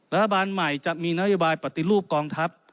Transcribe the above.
รัฐบาลใหม่จะมีนโยบายปฏิรูปกองทัพ